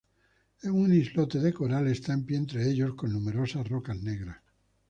Un islote de coral está de pie entre ellos, con numerosas rocas negras.